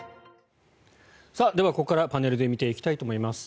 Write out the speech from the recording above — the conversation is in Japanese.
では、ここからパネルで見ていきたいと思います。